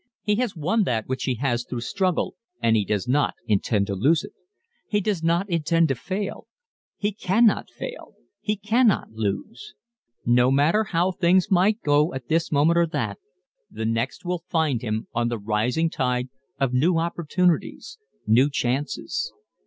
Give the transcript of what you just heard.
He has won that which he has through struggle, and he does not intend to lose it. He does not intend to fail. He cannot fail he cannot lose. No matter how things might go at this moment or that the next will find him on the rising tide of new opportunities new chances.